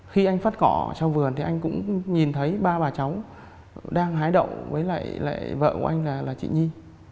khi anh phát cỏ trong vườn thì anh cũng nhìn thấy ba bà cháu đang hái đậu với lại vợ của anh là chị nhi